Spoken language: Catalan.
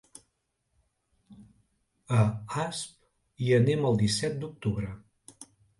A Asp hi anem el disset d'octubre.